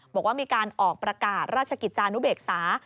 บอกว่ามีการออกประกาศราชกิจจานุเบกษา